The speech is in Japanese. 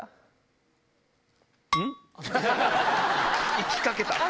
行きかけた！